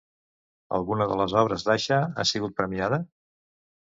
Alguna de les obres d'Asha ha sigut premiada?